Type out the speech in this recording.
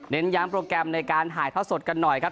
ย้ำโปรแกรมในการถ่ายท่อสดกันหน่อยครับ